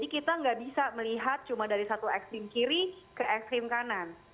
kita nggak bisa melihat cuma dari satu ekstrim kiri ke ekstrim kanan